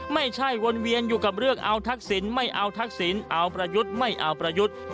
วนเวียนอยู่กับเรื่องเอาทักษิณไม่เอาทักษิณเอาประยุทธ์ไม่เอาประยุทธ์